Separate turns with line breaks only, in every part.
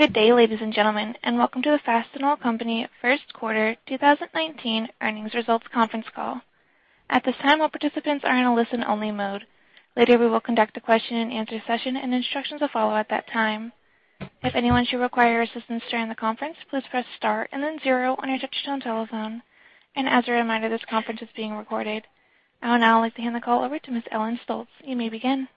Good day, ladies and gentlemen, welcome to the Fastenal Company First Quarter 2019 Earnings Results Conference Call. At this time, all participants are in a listen-only mode. Later, we will conduct a question and answer session and instructions will follow at that time. If anyone should require assistance during the conference, please press star and then zero on your touch-tone telephone. As a reminder, this conference is being recorded. I would now like to hand the call over to Ms. Ellen Stoltz. You may begin.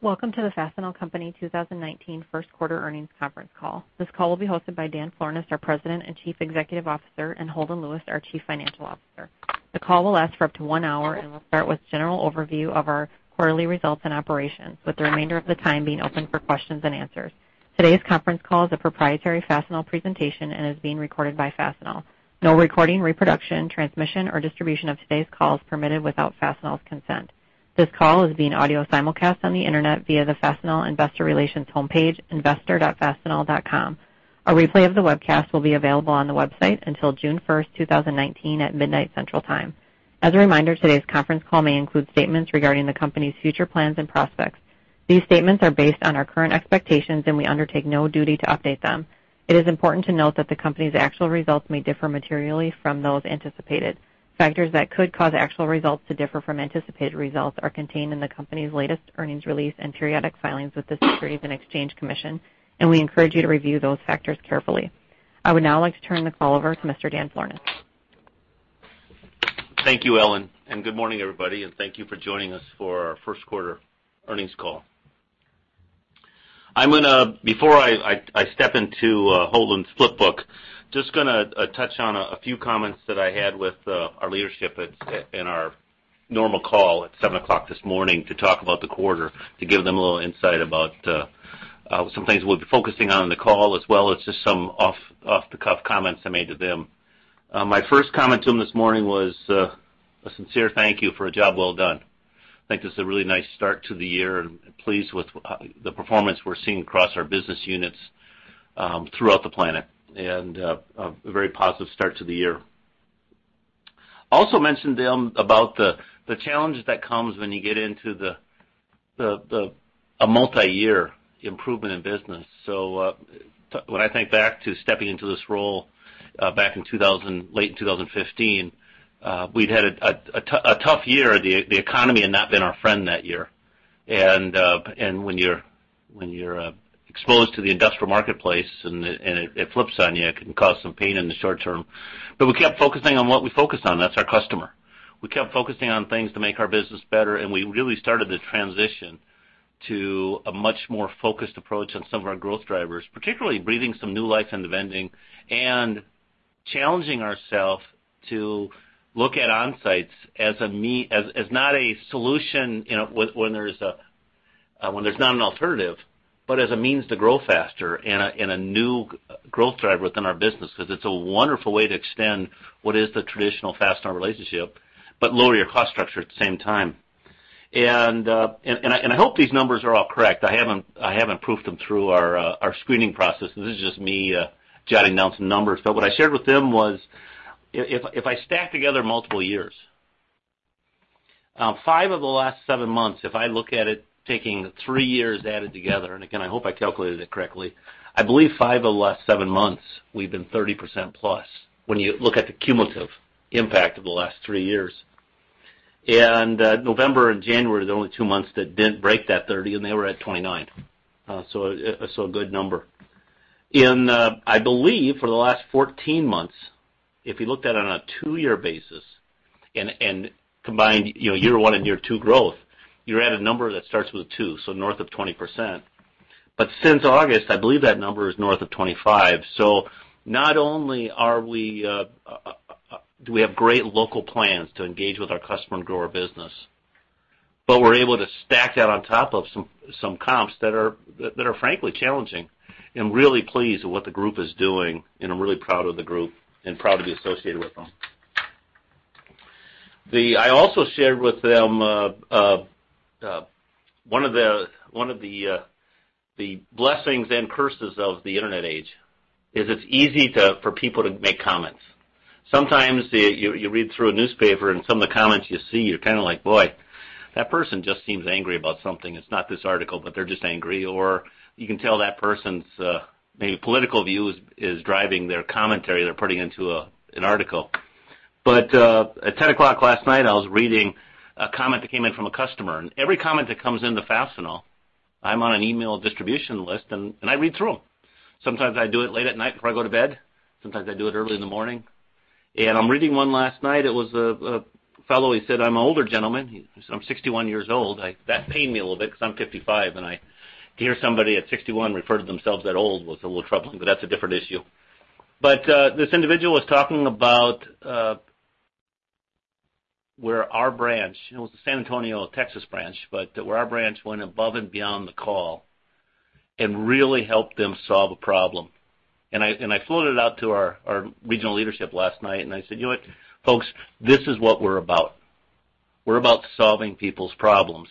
Welcome to the Fastenal Company 2019 First Quarter Earnings Conference Call. This call will be hosted by Dan Florness, our President and Chief Executive Officer, and Holden Lewis, our Chief Financial Officer. The call will last for up to one hour and will start with general overview of our quarterly results and operations, with the remainder of the time being open for questions and answers. Today's conference call is a proprietary Fastenal presentation and is being recorded by Fastenal. No recording, reproduction, transmission, or distribution of today's call is permitted without Fastenal's consent. This call is being audio simulcast on the internet via the Fastenal investor relations homepage, investor.fastenal.com. A replay of the webcast will be available on the website until June 1st, 2019, at midnight, Central Time. As a reminder, today's conference call may include statements regarding the company's future plans and prospects. These statements are based on our current expectations. We undertake no duty to update them. It is important to note that the company's actual results may differ materially from those anticipated. Factors that could cause actual results to differ from anticipated results are contained in the company's latest earnings release and periodic filings with the Securities and Exchange Commission. We encourage you to review those factors carefully. I would now like to turn the call over to Mr. Dan Florness.
Thank you, Ellen. Good morning, everybody. Thank you for joining us for our first quarter earnings call. Before I step into Holden's flipbook, just going to touch on a few comments that I had with our leadership in our normal call at 7:00 A.M. this morning to talk about the quarter, to give them a little insight about some things we'll be focusing on in the call, as well as just some off-the-cuff comments I made to them. My first comment to them this morning was a sincere thank you for a job well done. I think this is a really nice start to the year. Pleased with the performance we're seeing across our business units throughout the planet, a very positive start to the year. Also mentioned to them about the challenge that comes when you get into a multi-year improvement in business. When I think back to stepping into this role back in late 2015, we'd had a tough year. The economy had not been our friend that year. When you're exposed to the industrial marketplace and it flips on you, it can cause some pain in the short term. We kept focusing on what we focus on. That's our customer. We kept focusing on things to make our business better, and we really started to transition to a much more focused approach on some of our growth drivers, particularly breathing some new life into vending and challenging ourself to look at onsites as not a solution when there's not an alternative, but as a means to grow faster and a new growth driver within our business, because it's a wonderful way to extend what is the traditional Fastenal relationship, but lower your cost structure at the same time. I hope these numbers are all correct. I haven't proofed them through our screening process. This is just me jotting down some numbers. What I shared with them was, if I stack together multiple years, five of the last seven months, if I look at it, taking the three years added together, and again, I hope I calculated it correctly, I believe five of the last seven months we've been 30%+ when you look at the cumulative impact of the last three years. November and January are the only two months that didn't break that 30, and they were at 29. A good number. I believe for the last 14 months, if you looked at it on a two-year basis and combined year one and year two growth, you're at a number that starts with a two, so north of 20%. Since August, I believe that number is north of 25. Not only do we have great local plans to engage with our customer and grow our business, but we're able to stack that on top of some comps that are frankly challenging and really pleased with what the group is doing, and I'm really proud of the group and proud to be associated with them. I also shared with them one of the blessings and curses of the internet age is it's easy for people to make comments. Sometimes you read through a newspaper and some of the comments you see, you're kind of like, "Boy, that person just seems angry about something. It's not this article, but they're just angry." You can tell that person's maybe political views is driving their commentary they're putting into an article. At 10:00 P.M. last night, I was reading a comment that came in from a customer. Every comment that comes into Fastenal, I'm on an email distribution list, and I read through them. Sometimes I do it late at night before I go to bed. Sometimes I do it early in the morning. I'm reading one last night. It was a fellow, he said, "I'm an older gentleman." He said, "I'm 61 years old." That pained me a little bit because I'm 55, and to hear somebody at 61 refer to themselves that old was a little troubling, that's a different issue. This individual was talking about where our branch, it was the San Antonio, Texas branch, but where our branch went above and beyond the call and really helped them solve a problem. I floated it out to our regional leadership last night, and I said, "You know what, folks? This is what we're about. We're about solving people's problems."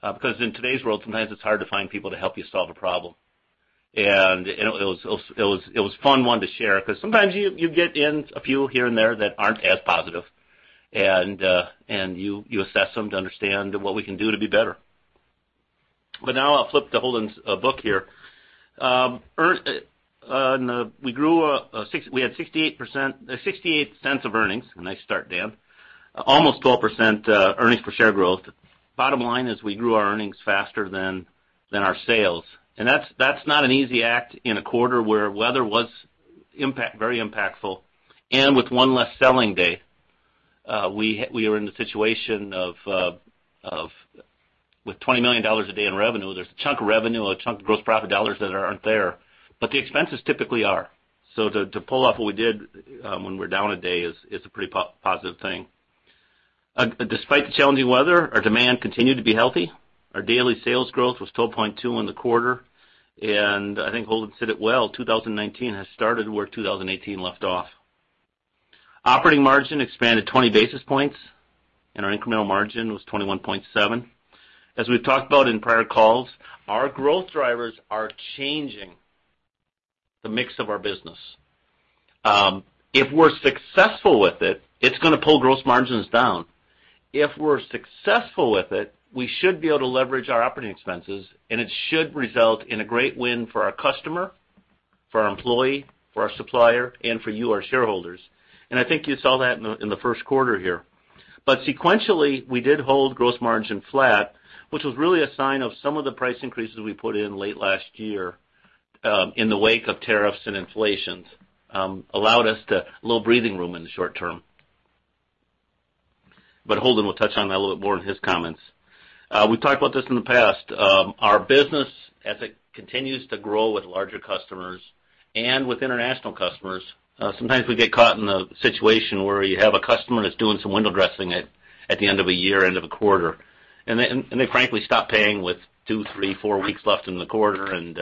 Because in today's world, sometimes it's hard to find people to help you solve a problem. It was a fun one to share because sometimes you get in a few here and there that aren't as positive, and you assess them to understand what we can do to be better. Now I'll flip to Holden's book here. We had $0.68 of earnings. Nice start, Dan. Almost 12% earnings per share growth. Bottom line is we grew our earnings faster than our sales, and that's not an easy act in a quarter where weather was very impactful, and with one less selling day. We were in the situation of, with $20 million a day in revenue, there's a chunk of revenue, a chunk of gross profit dollars that aren't there, but the expenses typically are. To pull off what we did when we're down a day is a pretty positive thing. Despite the challenging weather, our demand continued to be healthy. Our daily sales growth was 12.2% in the quarter, I think Holden said it well, 2019 has started where 2018 left off. Operating margin expanded 20 basis points, and our incremental margin was 21.7%. We've talked about in prior calls, our growth drivers are changing the mix of our business. If we're successful with it's going to pull gross margins down. If we're successful with it, we should be able to leverage our operating expenses, and it should result in a great win for our customer, for our employee, for our supplier, and for you, our shareholders. I think you saw that in the first quarter here. Sequentially, we did hold gross margin flat, which was really a sign of some of the price increases we put in late last year, in the wake of tariffs and inflations, allowed us a little breathing room in the short term. Holden will touch on that a little bit more in his comments. We've talked about this in the past. Our business, as it continues to grow with larger customers and with international customers, sometimes we get caught in a situation where you have a customer that's doing some window dressing at the end of a year, end of a quarter. They frankly stop paying with two, three, four weeks left in the quarter, and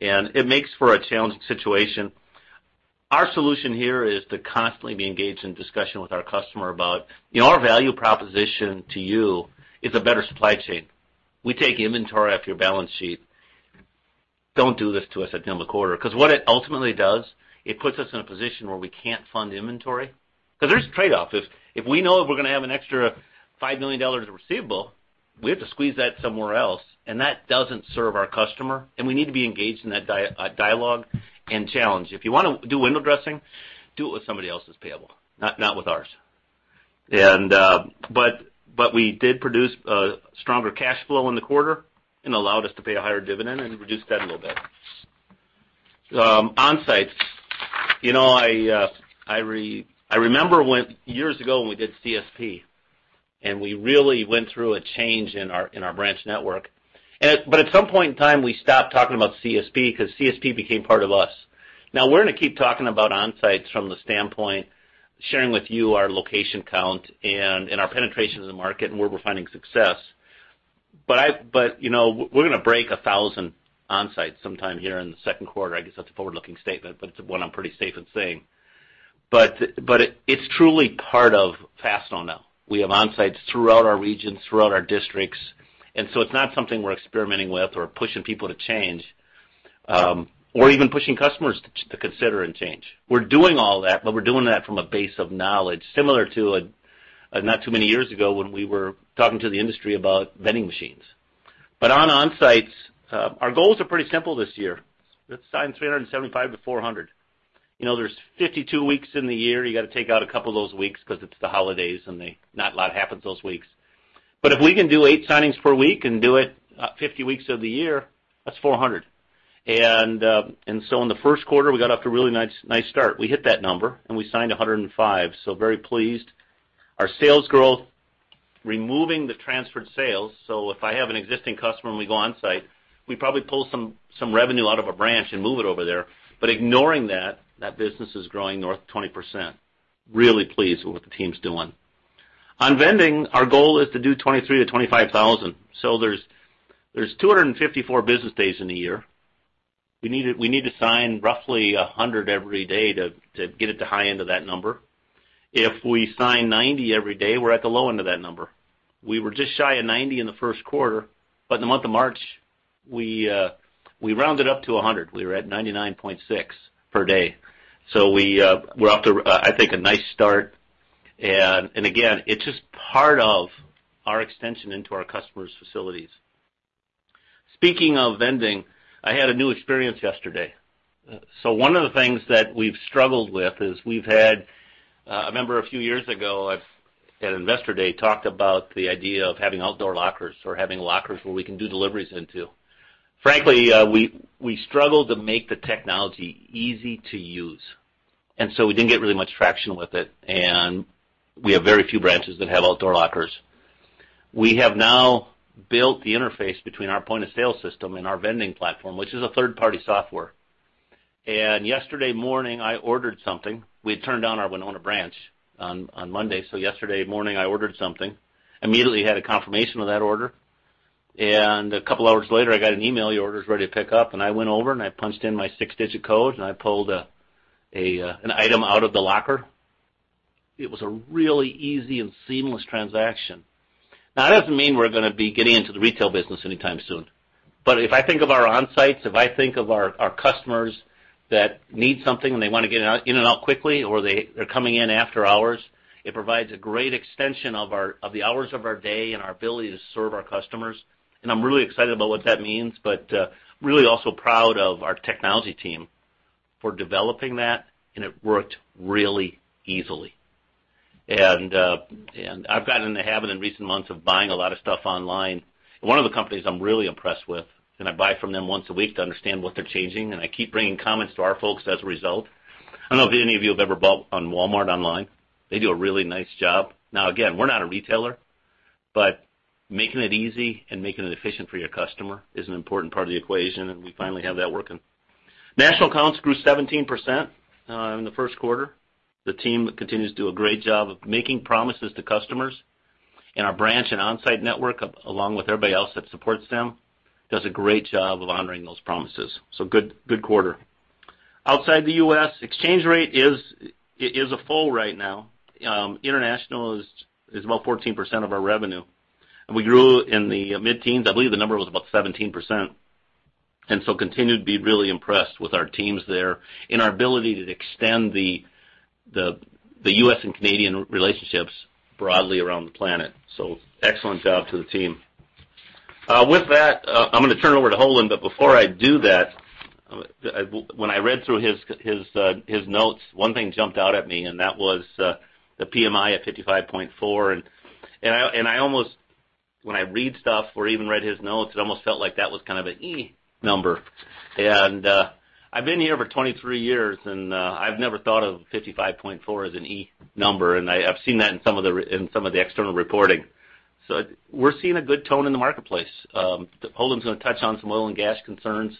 it makes for a challenging situation. Our solution here is to constantly be engaged in discussion with our customer about our value proposition to you is a better supply chain. We take inventory off your balance sheet. Don't do this to us at the end of a quarter. What it ultimately does, it puts us in a position where we can't fund inventory. There's a trade-off. If we know that we're going to have an extra $5 million of receivable, we have to squeeze that somewhere else, and that doesn't serve our customer, and we need to be engaged in that dialogue and challenge. If you want to do window dressing, do it with somebody else's payable, not with ours. We did produce a stronger cash flow in the quarter and allowed us to pay a higher dividend and reduce debt a little bit. Onsites. I remember years ago when we did CSP, and we really went through a change in our branch network. At some point in time, we stopped talking about CSP because CSP became part of us. We're going to keep talking about Onsites from the standpoint sharing with you our location count and our penetration in the market and where we're finding success. We're going to break 1,000 Onsites sometime here in the second quarter. I guess that's a forward-looking statement, but it's one I'm pretty safe in saying. It's truly part of Fastenal now. We have Onsites throughout our regions, throughout our districts, so it's not something we're experimenting with or pushing people to change, or even pushing customers to consider and change. We're doing all that, but we're doing that from a base of knowledge, similar to not too many years ago, when we were talking to the industry about vending machines. On Onsites, our goals are pretty simple this year. Let's sign 375-400. There's 52 weeks in the year. You got to take out a couple of those weeks because it's the holidays and not a lot happens those weeks. If we can do eight signings per week and do it 50 weeks of the year, that's 400. In the first quarter, we got off to a really nice start. We hit that number, and we signed 105, so very pleased. Our sales growth, removing the transferred sales, if I have an existing customer and we go Onsite, we probably pull some revenue out of a branch and move it over there. Ignoring that business is growing north of 20%. Really pleased with what the team's doing. On vending, our goal is to do 23,000-25,000. There's 254 business days in a year. We need to sign roughly 100 every day to get it to high end of that number. If we sign 90 every day, we're at the low end of that number. We were just shy of 90 in the first quarter, but in the month of March, we rounded up to 100. We were at 99.6 per day. We're off to, I think, a nice start, and again, it's just part of our extension into our customers' facilities. Speaking of vending, I had a new experience yesterday. One of the things that we've struggled with is we've had I remember a few years ago at Investor Day, talked about the idea of having outdoor lockers or having lockers where we can do deliveries into. Frankly, we struggled to make the technology easy to use, we didn't get really much traction with it, and we have very few branches that have outdoor lockers. We have now built the interface between our point-of-sale system and our vending platform, which is a third-party software. Yesterday morning, I ordered something. We had turned on our Winona branch on Monday, yesterday morning, I ordered something. Immediately had a confirmation of that order. A couple of hours later, I got an email, "Your order is ready to pick up." I went over. I punched in my six-digit code. I pulled an item out of the locker. It was a really easy and seamless transaction. That doesn't mean we're going to be getting into the retail business anytime soon. If I think of our Onsites, if I think of our customers that need something and they want to get in and out quickly, or they're coming in after hours, it provides a great extension of the hours of our day and our ability to serve our customers. I'm really excited about what that means, but really also proud of our technology team for developing that, and it worked really easily. I've gotten in the habit in recent months of buying a lot of stuff online. One of the companies I'm really impressed with, and I buy from them once a week to understand what they're changing, and I keep bringing comments to our folks as a result. I don't know if any of you have ever bought on Walmart online. They do a really nice job. Again, we're not a retailer, but making it easy and making it efficient for your customer is an important part of the equation, and we finally have that working. National Accounts grew 17% in the first quarter. The team continues to do a great job of making promises to customers, and our branch and Onsite network, along with everybody else that supports them, does a great job of honoring those promises. Good quarter. Outside the U.S., exchange rate is a full right now. International is about 14% of our revenue. We grew in the mid-teens. I believe the number was about 17%. Continue to be really impressed with our teams there and our ability to extend the U.S. and Canadian relationships broadly around the planet. Excellent job to the team. With that, I'm going to turn it over to Holden, but before I do that, when I read through his notes, one thing jumped out at me, and that was the PMI at 55.4. When I read stuff or even read his notes, it almost felt like that was kind of an eh number. I've been here for 23 years, and I've never thought of 55.4 as an eh number, and I've seen that in some of the external reporting. We're seeing a good tone in the marketplace. Holden's going to touch on some oil and gas concerns.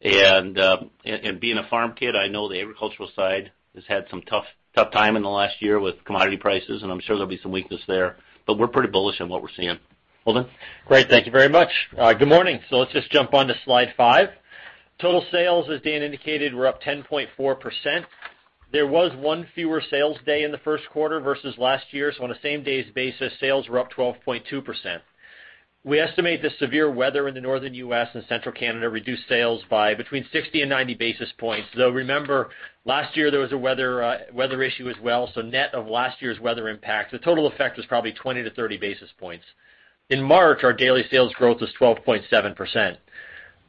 Being a farm kid, I know the agricultural side has had some tough time in the last year with commodity prices, and I'm sure there'll be some weakness there, but we're pretty bullish on what we're seeing. Holden?
Great. Thank you very much. Good morning. Let's just jump on to slide five. Total sales, as Dan indicated, were up 10.4%. There was one fewer sales day in the first quarter versus last year, so on a same days basis, sales were up 12.2%. We estimate the severe weather in the northern U.S. and central Canada reduced sales by between 60 and 90 basis points, though remember, last year there was a weather issue as well, so net of last year's weather impact, the total effect was probably 20 to 30 basis points. In March, our daily sales growth was 12.7%.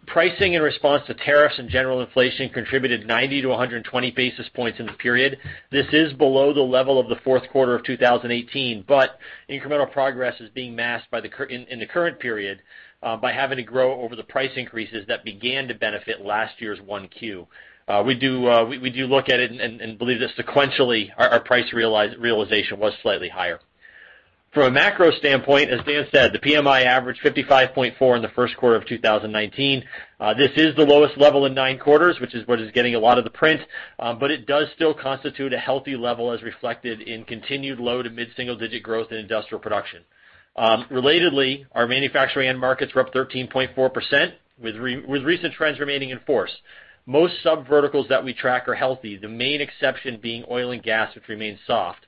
Pricing in response to tariffs and general inflation contributed 90 to 120 basis points in the period. This is below the level of the fourth quarter of 2018. Incremental progress is being masked in the current period by having to grow over the price increases that began to benefit last year's 1Q. We do look at it and believe that sequentially, our price realization was slightly higher. From a macro standpoint, as Dan said, the PMI averaged 55.4 in the first quarter of 2019. This is the lowest level in nine quarters, which is what is getting a lot of the print, but it does still constitute a healthy level as reflected in continued low to mid-single-digit growth in industrial production. Relatedly, our manufacturing end markets were up 13.4% with recent trends remaining in force. Most subverticals that we track are healthy, the main exception being oil and gas, which remains soft.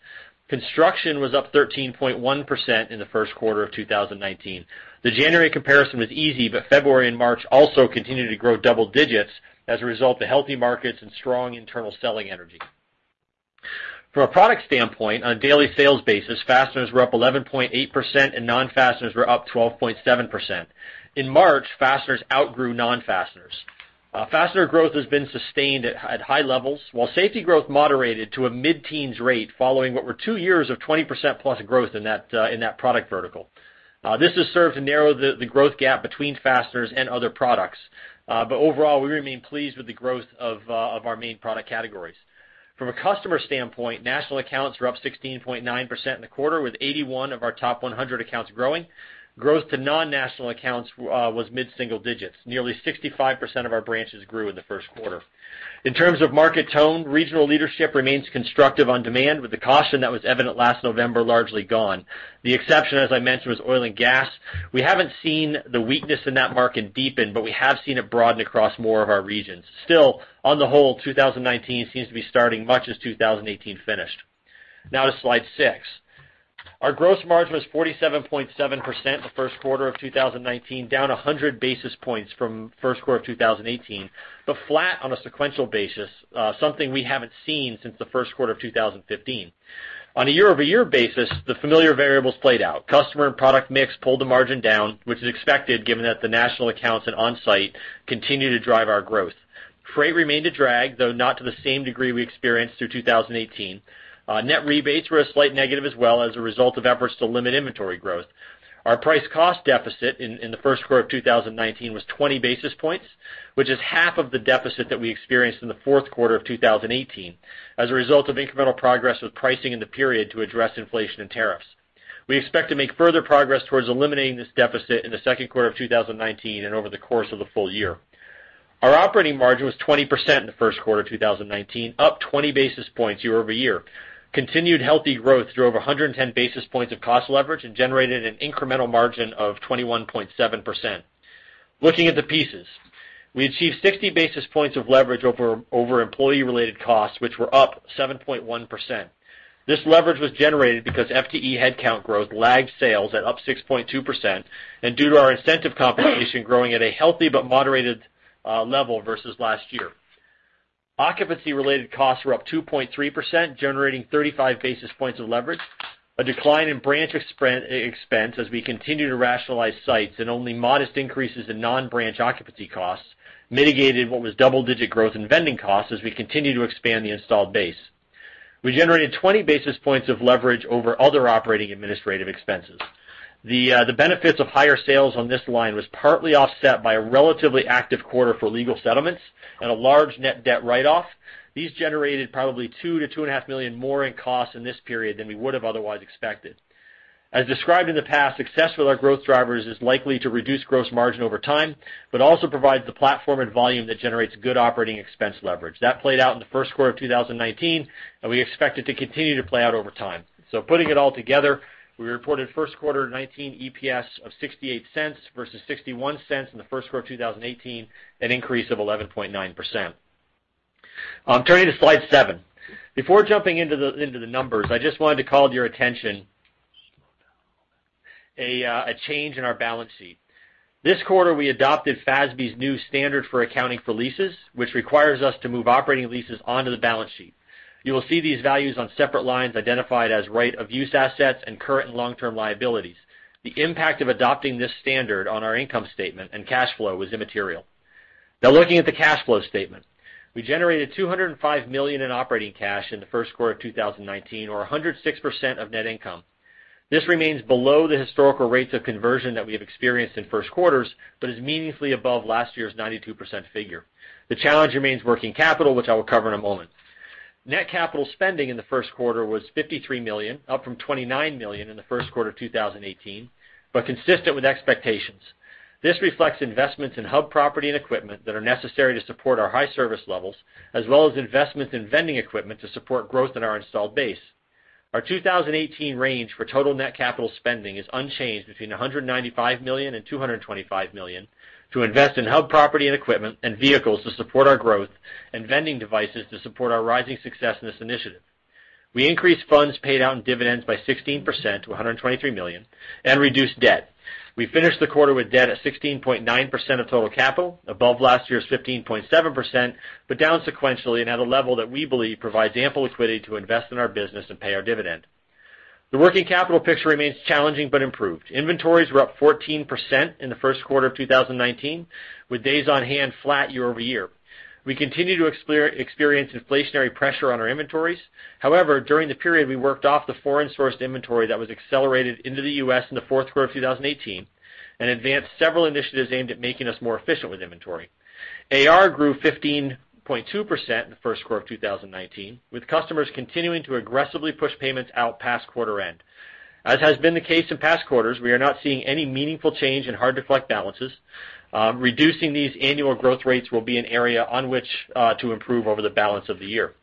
Construction was up 13.1% in the first quarter of 2019. The January comparison was easy. February and March also continued to grow double digits as a result of healthy markets and strong internal selling energy. From a product standpoint, on a daily sales basis, fasteners were up 11.8% and non-fasteners were up 12.7%. In March, fasteners outgrew non-fasteners. Fastener growth has been sustained at high levels while safety growth moderated to a mid-teens rate following what were two years of 20%+ growth in that product vertical. This has served to narrow the growth gap between fasteners and other products. Overall, we remain pleased with the growth of our main product categories. From a customer standpoint, National Accounts were up 16.9% in the quarter, with 81 of our top 100 accounts growing. Growth to non-National Accounts was mid-single digits. Nearly 65% of our branches grew in the first quarter. In terms of market tone, regional leadership remains constructive on demand, with the caution that was evident last November largely gone. The exception, as I mentioned, was oil and gas. We haven't seen the weakness in that market deepen. We have seen it broaden across more of our regions. Still, on the whole, 2019 seems to be starting much as 2018 finished. Now to slide six. Our gross margin was 47.7% the first quarter of 2019, down 100 basis points from first quarter of 2018. Flat on a sequential basis, something we haven't seen since the first quarter of 2015. On a year-over-year basis, the familiar variables played out. Customer and product mix pulled the margin down, which is expected given that the National Accounts and Onsite continue to drive our growth. Freight remained a drag, though not to the same degree we experienced through 2018. Net rebates were a slight negative as well as a result of efforts to limit inventory growth. Our price cost deficit in the first quarter of 2019 was 20 basis points, which is half of the deficit that we experienced in the fourth quarter of 2018 as a result of incremental progress with pricing in the period to address inflation and tariffs. We expect to make further progress towards eliminating this deficit in the second quarter of 2019 and over the course of the full year. Our operating margin was 20% in the first quarter 2019, up 20 basis points year-over-year. Continued healthy growth through over 110 basis points of cost leverage and generated an incremental margin of 21.7%. Looking at the pieces, we achieved 60 basis points of leverage over employee-related costs, which were up 7.1%. This leverage was generated because FTE headcount growth lagged sales at up 6.2%, and due to our incentive compensation growing at a healthy but moderated level versus last year. Occupancy-related costs were up 2.3%, generating 35 basis points of leverage. A decline in branch expense as we continue to rationalize sites and only modest increases in non-branch occupancy costs mitigated what was double-digit growth in vending costs as we continue to expand the installed base. We generated 20 basis points of leverage over other operating administrative expenses. The benefits of higher sales on this line was partly offset by a relatively active quarter for legal settlements and a large net debt write-off. These generated probably two to two and a half million dollars more in costs in this period than we would have otherwise expected. As described in the past, success with our growth drivers is likely to reduce gross margin over time, but also provides the platform and volume that generates good operating expense leverage. That played out in the first quarter of 2019, and we expect it to continue to play out over time. Putting it all together, we reported first quarter 2019 EPS of $0.68 versus $0.61 in the first quarter of 2018, an increase of 11.9%. Turning to Slide 7. Before jumping into the numbers, I just wanted to call to your attention a change in our balance sheet. This quarter, we adopted FASB's new standard for accounting for leases, which requires us to move operating leases onto the balance sheet. You will see these values on separate lines identified as right-of-use assets and current and long-term liabilities. The impact of adopting this standard on our income statement and cash flow was immaterial. Looking at the cash flow statement. We generated $205 million in operating cash in the first quarter of 2019, or 106% of net income. This remains below the historical rates of conversion that we have experienced in first quarters, but is meaningfully above last year's 92% figure. The challenge remains working capital, which I will cover in a moment. Net capital spending in the first quarter was $53 million, up from $29 million in the first quarter 2018, but consistent with expectations. This reflects investments in hub property and equipment that are necessary to support our high service levels, as well as investments in vending equipment to support growth in our installed base. Our 2018 range for total net capital spending is unchanged between $195 million and $225 million to invest in hub property and equipment and vehicles to support our growth and vending devices to support our rising success in this initiative. We increased funds paid out in dividends by 16% to $123 million and reduced debt. We finished the quarter with debt at 16.9% of total capital, above last year's 15.7%, down sequentially and at a level that we believe provides ample liquidity to invest in our business and pay our dividend. The working capital picture remains challenging but improved. Inventories were up 14% in the first quarter of 2019, with days on hand flat year-over-year. We continue to experience inflationary pressure on our inventories. During the period, we worked off the foreign sourced inventory that was accelerated into the U.S. in the fourth quarter of 2018 and advanced several initiatives aimed at making us more efficient with inventory. AR grew 15.2% in the first quarter of 2019, with customers continuing to aggressively push payments out past quarter end. As has been the case in past quarters, we are not seeing any meaningful change in hard-to-collect balances. Reducing these annual growth rates will be an area on which to improve over the balance of the year.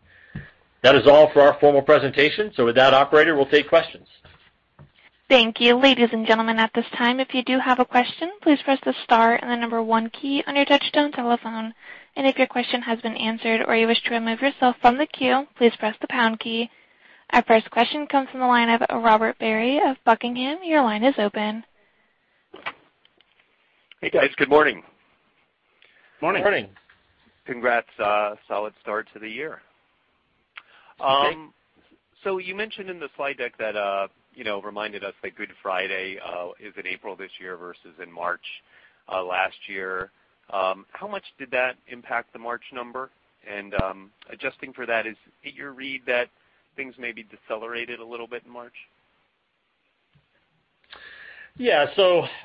That is all for our formal presentation. With that, operator, we'll take questions.
Thank you. Ladies and gentlemen, at this time, if you do have a question, please press the star and the number one key on your touchtone telephone. If your question has been answered or you wish to remove yourself from the queue, please press the pound key. Our first question comes from the line of Robert Barry of Buckingham. Your line is open.
Hey, guys. Good morning.
Morning. Morning.
Congrats. Solid start to the year.
Thank you.
You mentioned in the slide deck that reminded us that Good Friday is in April this year versus in March last year. How much did that impact the March number? Adjusting for that, is it your read that things maybe decelerated a little bit in March?
Yeah.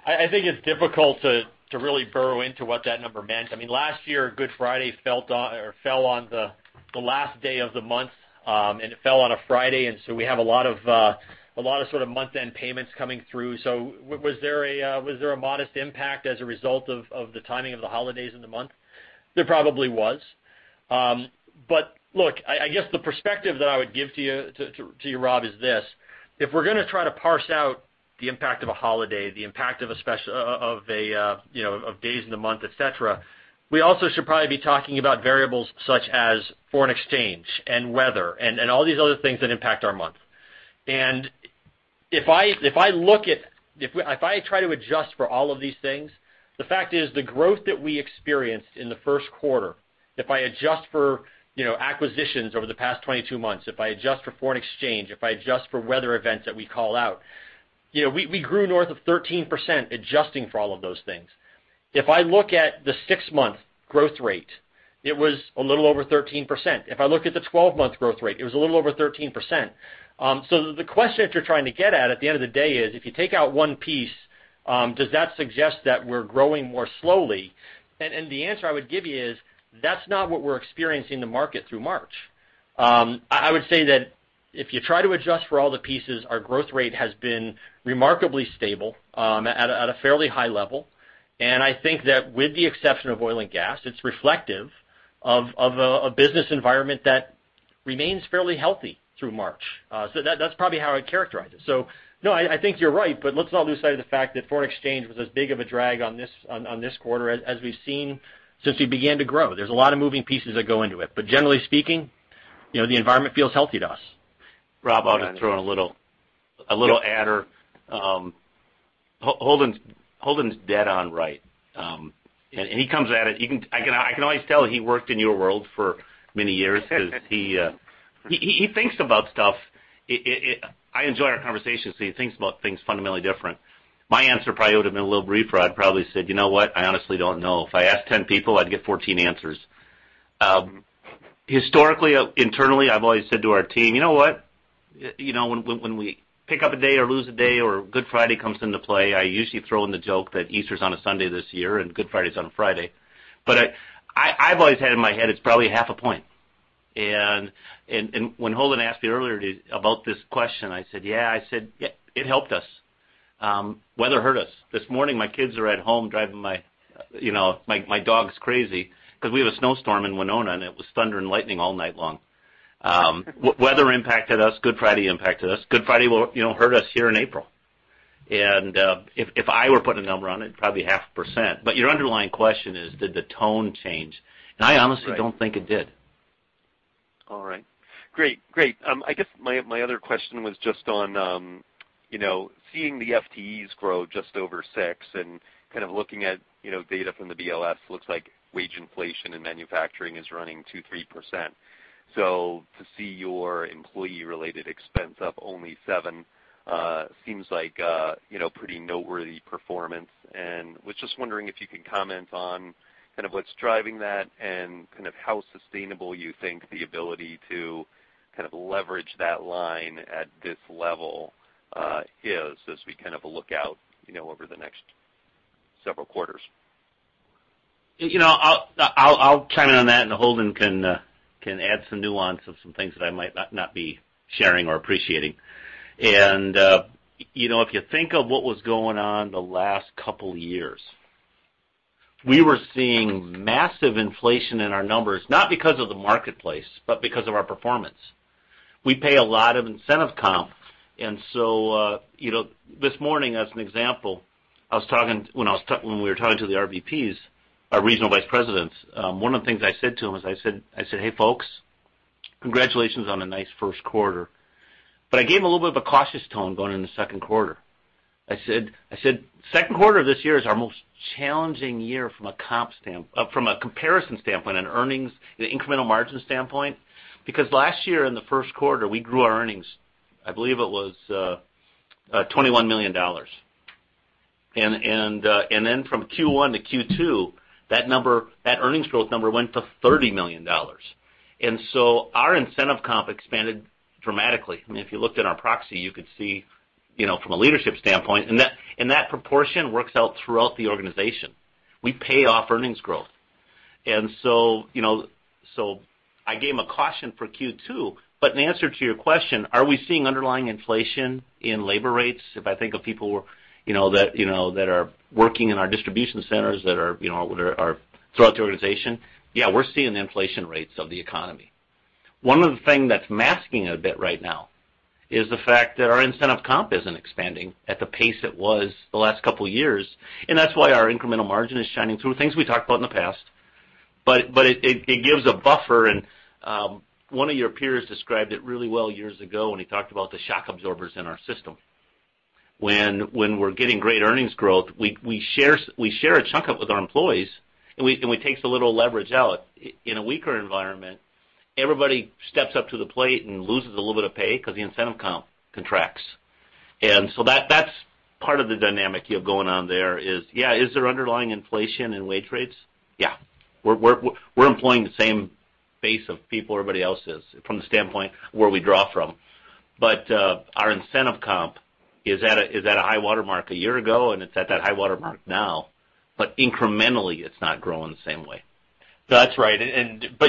I think it's difficult to really burrow into what that number meant. Last year, Good Friday fell on the last day of the month, and it fell on a Friday, we have a lot of month-end payments coming through. Was there a modest impact as a result of the timing of the holidays in the month? There probably was. Look, I guess the perspective that I would give to you, Rob, is this. If we're going to try to parse out the impact of a holiday, the impact of days in the month, et cetera, we also should probably be talking about variables such as foreign exchange and weather and all these other things that impact our month. If I try to adjust for all of these things, the fact is, the growth that we experienced in the first quarter, if I adjust for acquisitions over the past 22 months, if I adjust for foreign exchange, if I adjust for weather events that we call out, we grew north of 13% adjusting for all of those things. If I look at the six-month growth rate, it was a little over 13%. If I look at the 12-month growth rate, it was a little over 13%. The question that you're trying to get at the end of the day is, if you take out one piece, does that suggest that we're growing more slowly? The answer I would give you is, that's not what we're experiencing in the market through March. I would say that if you try to adjust for all the pieces, our growth rate has been remarkably stable at a fairly high level, and I think that with the exception of oil and gas, it's reflective of a business environment that remains fairly healthy through March. That's probably how I'd characterize it. No, I think you're right, but let's not lose sight of the fact that foreign exchange was as big of a drag on this quarter as we've seen since we began to grow. There's a lot of moving pieces that go into it, but generally speaking, the environment feels healthy to us.
Rob, I'll just throw in a little adder. Holden's dead on right. I can always tell he worked in your world for many years because he thinks about stuff. I enjoy our conversations because he thinks about things fundamentally different. My answer probably would've been a little briefer. I'd probably said, "You know what? I honestly don't know. If I ask 10 people, I'd get 14 answers." Historically, internally, I've always said to our team, "You know what? When we pick up a day or lose a day, or Good Friday comes into play," I usually throw in the joke that Easter's on a Sunday this year and Good Friday's on a Friday. But I've always had in my head it's probably half a point. When Holden asked me earlier about this question, I said, "Yeah," I said, "it helped us." Weather hurt us. This morning, my kids are at home driving my dogs crazy because we have a snowstorm in Winona, and it was thunder and lightning all night long. Weather impacted us. Good Friday impacted us. Good Friday will hurt us here in April. If I were putting a number on it, probably half a %. Your underlying question is, did the tone change? I honestly don't think it did.
All right. Great. I guess my other question was just on seeing the FTEs grow just over six and looking at data from the BLS, looks like wage inflation in manufacturing is running 2%-3%. To see your employee-related expense up only seven, seems like a pretty noteworthy performance. Was just wondering if you could comment on what's driving that and how sustainable you think the ability to leverage that line at this level is as we look out over the next several quarters.
I'll comment on that, and Holden can add some nuance of some things that I might not be sharing or appreciating. If you think of what was going on the last couple of years, we were seeing massive inflation in our numbers, not because of the marketplace, but because of our performance. We pay a lot of incentive comp. This morning, as an example, when we were talking to the RVPs, our regional vice presidents, one of the things I said to them is I said, "Hey, folks, congratulations on a nice first quarter." I gave a little bit of a cautious tone going into the second quarter. I said, "Second quarter of this year is our most challenging year from a comparison standpoint, an earnings, an incremental margin standpoint." Because last year in the first quarter, we grew our earnings. I believe it was $21 million. From Q1 to Q2, that earnings growth number went to $30 million. Our incentive comp expanded dramatically. I mean, if you looked at our proxy, you could see from a leadership standpoint. That proportion works out throughout the organization. We pay off earnings growth. I gave them a caution for Q2. In answer to your question, are we seeing underlying inflation in labor rates? If I think of people that are working in our distribution centers, that are throughout the organization, yeah, we're seeing the inflation rates of the economy. One of the thing that's masking it a bit right now is the fact that our incentive comp isn't expanding at the pace it was the last couple of years, and that's why our incremental margin is shining through. Things we talked about in the past. It gives a buffer, and one of your peers described it really well years ago when he talked about the shock absorbers in our system. When we're getting great earnings growth, we share a chunk up with our employees, and it takes a little leverage out. In a weaker environment, everybody steps up to the plate and loses a little bit of pay because the incentive comp contracts. That's part of the dynamic you have going on there is, yeah, is there underlying inflation in wage rates? Yeah. We're employing the same base of people everybody else is from the standpoint where we draw from. Our incentive comp is at a high water mark a year ago, and it's at that high water mark now, incrementally, it's not growing the same way.
That's right.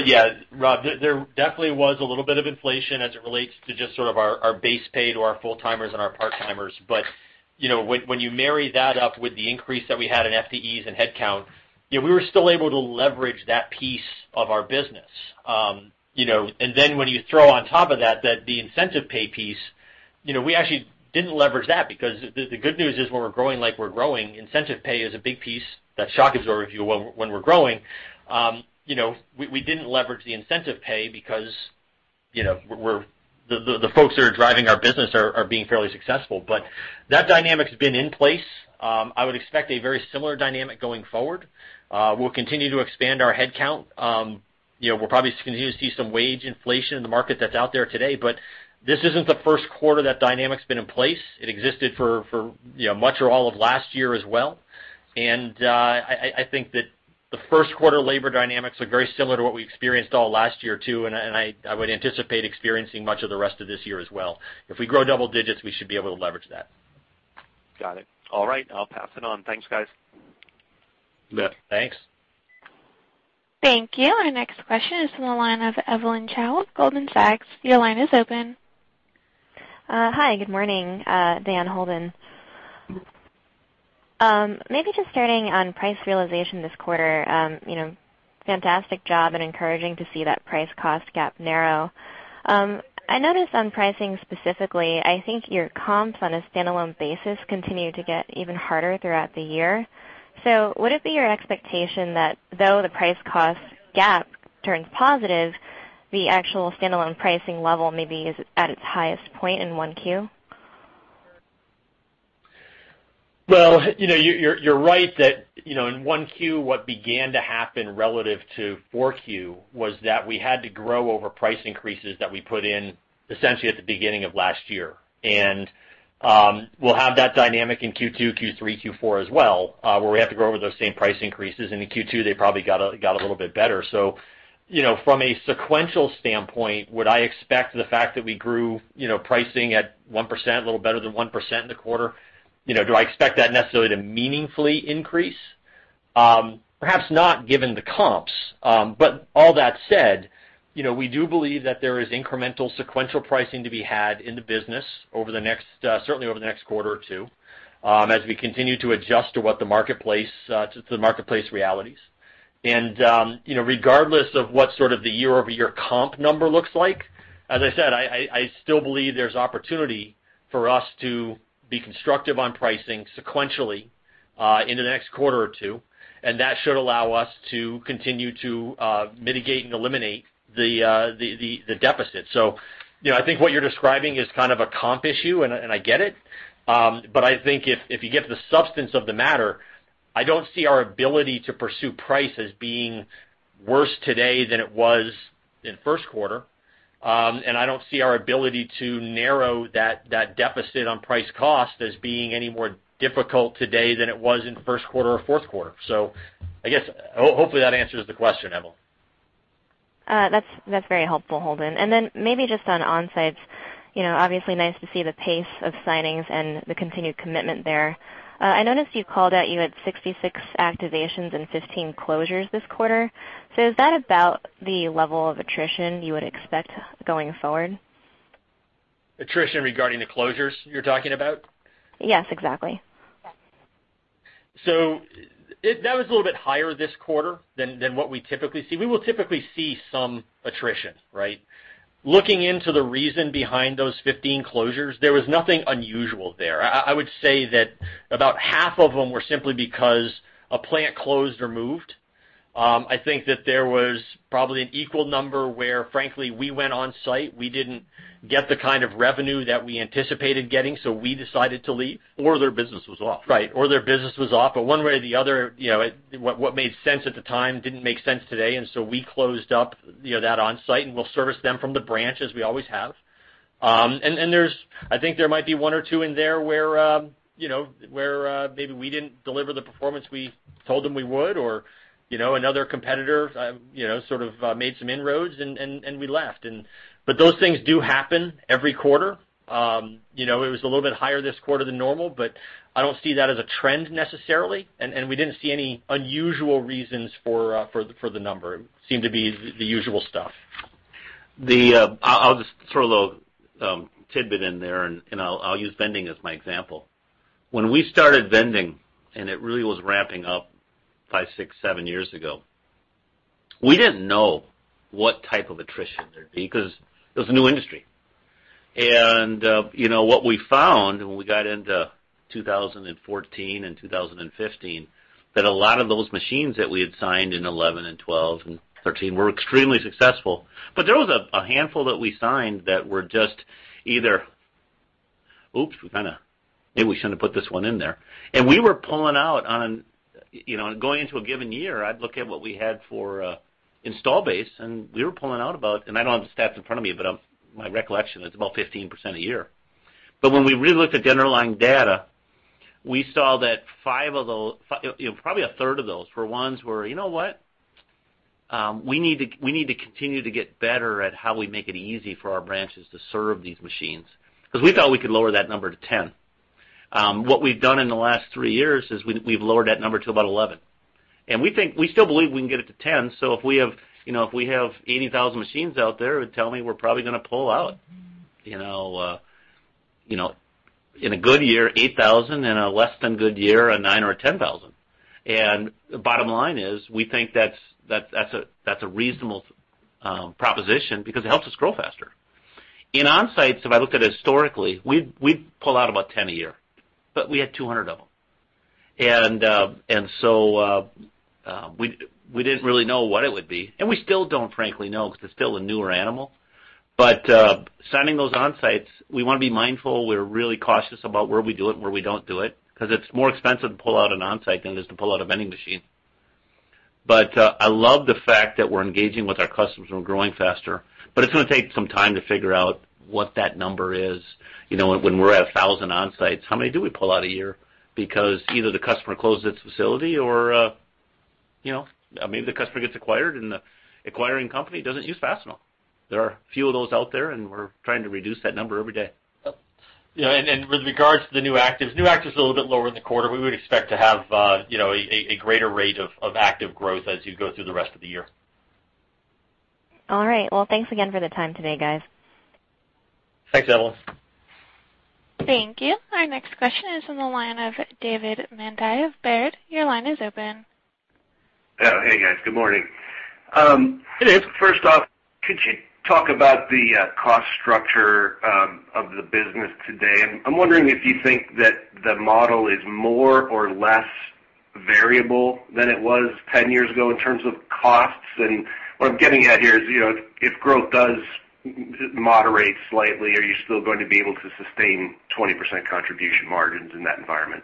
Yeah, Rob, there definitely was a little bit of inflation as it relates to just sort of our base pay to our full-timers and our part-timers, when you marry that up with the increase that we had in FTEs and headcount, we were still able to leverage that piece of our business. When you throw on top of that the incentive pay piece, we actually didn't leverage that because the good news is when we're growing like we're growing, incentive pay is a big piece, that shock absorber, if you will, when we're growing. We didn't leverage the incentive pay because the folks that are driving our business are being fairly successful. That dynamic's been in place. I would expect a very similar dynamic going forward. We'll continue to expand our headcount. We're probably going to continue to see some wage inflation in the market that's out there today. This isn't the first quarter that dynamic's been in place. It existed for much or all of last year as well. I think that the first quarter labor dynamics are very similar to what we experienced all last year, too, and I would anticipate experiencing much of the rest of this year as well. If we grow double digits, we should be able to leverage that.
Got it. All right, I'll pass it on. Thanks, guys.
Yeah. Thanks.
Thank you. Our next question is from the line of Evelyn Chow with Goldman Sachs. Your line is open.
Hi, good morning. Dan Holden. Maybe just starting on price realization this quarter. Fantastic job and encouraging to see that price cost gap narrow. I noticed on pricing specifically, I think your comps on a standalone basis continue to get even harder throughout the year. Would it be your expectation that though the price cost gap turns positive, the actual standalone pricing level maybe is at its highest point in 1Q?
Well, you're right that in 1Q, what began to happen relative to 4Q was that we had to grow over price increases that we put in essentially at the beginning of last year. We'll have that dynamic in Q2, Q3, Q4 as well, where we have to grow over those same price increases. In Q2, they probably got a little bit better. From a sequential standpoint, would I expect the fact that we grew pricing at 1%, a little better than 1% in the quarter? Do I expect that necessarily to meaningfully increase? Perhaps not, given the comps. All that said, we do believe that there is incremental sequential pricing to be had in the business certainly over the next quarter or two, as we continue to adjust to the marketplace realities. Regardless of what sort of the year-over-year comp number looks like, as I said, I still believe there's opportunity for us to be constructive on pricing sequentially, in the next quarter or two, and that should allow us to continue to mitigate and eliminate the deficit. I think what you're describing is kind of a comp issue, and I get it. I think if you get to the substance of the matter, I don't see our ability to pursue price as being worse today than it was in first quarter. I don't see our ability to narrow that deficit on price cost as being any more difficult today than it was in first quarter or fourth quarter. I guess, hopefully that answers the question, Evelyn.
That's very helpful, Holden. Then maybe just on Onsites, obviously nice to see the pace of signings and the continued commitment there. I noticed you called out you had 66 activations and 15 closures this quarter. Is that about the level of attrition you would expect going forward?
Attrition regarding the closures, you're talking about?
Yes, exactly.
That was a little bit higher this quarter than what we typically see. We will typically see some attrition, right? Looking into the reason behind those 15 closures, there was nothing unusual there. I would say that about half of them were simply because a plant closed or moved. I think that there was probably an equal number where, frankly, we went on site, we didn't get the kind of revenue that we anticipated getting, so we decided to leave.
Or their business was off.
Right. Or their business was off. One way or the other, what made sense at the time didn't make sense today, we closed up that Onsite, and we'll service them from the branch as we always have. I think there might be one or two in there where maybe we didn't deliver the performance we told them we would, or another competitor sort of made some inroads, and we left. Those things do happen every quarter. It was a little bit higher this quarter than normal, but I don't see that as a trend necessarily, and we didn't see any unusual reasons for the number. It seemed to be the usual stuff.
I'll just throw a little tidbit in there, and I'll use Vending as my example. When we started Vending, and it really was ramping up five, six, seven years ago, we didn't know what type of attrition there'd be because it was a new industry. What we found when we got into 2014 and 2015, that a lot of those machines that we had signed in 2011 and 2012 and 2013 were extremely successful. There was a handful that we signed that were just either, "Oops, maybe we shouldn't have put this one in there." Going into a given year, I'd look at what we had for install base, and we were pulling out about, and I don't have the stats in front of me, but my recollection, it's about 15% a year. When we really looked at the underlying data, we saw that probably a third of those were ones where, you know what, we need to continue to get better at how we make it easy for our branches to serve these machines. We thought we could lower that number to 10. What we've done in the last three years is we've lowered that number to about 11. We still believe we can get it to 10, so if we have 80,000 machines out there, tell me we're probably going to pull out. In a good year, 8,000, in a less than good year, 9,000 or 10,000. The bottom line is, we think that's a reasonable proposition because it helps us grow faster. In Onsites, if I look at it historically, we pull out about 10 a year, but we had 200 of them. We didn't really know what it would be, and we still don't frankly know because it's still a newer animal. Signing those Onsites, we want to be mindful. We're really cautious about where we do it and where we don't do it, because it's more expensive to pull out an Onsite than it is to pull out a vending machine. I love the fact that we're engaging with our customers and we're growing faster, but it's going to take some time to figure out what that number is. When we're at 1,000 Onsites, how many do we pull out a year? Because either the customer closed its facility or maybe the customer gets acquired and the acquiring company doesn't use Fastenal. There are a few of those out there, and we're trying to reduce that number every day.
With regards to the new actives, new active's a little bit lower in the quarter. We would expect to have a greater rate of active growth as you go through the rest of the year.
All right. Well, thanks again for the time today, guys.
Thanks, Evelyn.
Thank you. Our next question is on the line of David Manthey of Baird. Your line is open.
Oh, hey, guys. Good morning.
Hey, Dave.
First off, could you talk about the cost structure of the business today? I'm wondering if you think that the model is more or less variable than it was 10 years ago in terms of costs. What I'm getting at here is, if growth does moderate slightly, are you still going to be able to sustain 20% contribution margins in that environment?